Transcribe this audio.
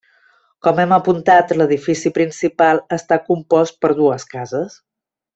Com hem apuntat, l'edifici principal està compost per dues cases.